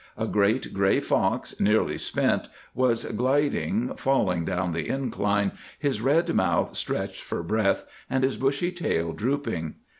A great gray fox, nearly spent, was gliding, falling down the incline, his red mouth stretched for breath, and his bushy tail drooping.